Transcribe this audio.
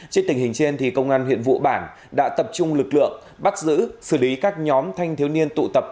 trên tình hình trên công an huyện vụ bản đã tập trung lực lượng bắt giữ xử lý các nhóm thanh thiếu niên tụ tập